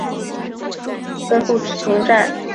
时任虢州刺史的满存率军奔赴行在。